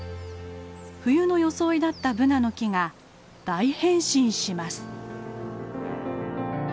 冬の装いだったブナの木が大変身します。